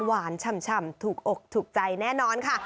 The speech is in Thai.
ฉ่ำถูกอกถูกใจแน่นอนค่ะ